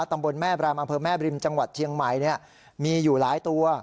ตำบลแม่บรามอำเภอแม่บริมจังหวัดเชียงใหม่มีอยู่หลายตัว